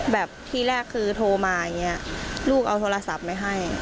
แบบที่แรกคือโทรมาอย่างนี้ลูกเอาโทรศัพท์ไปให้